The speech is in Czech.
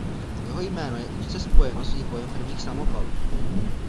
Jeho jméno je úzce spojeno s vývojem prvních samopalů.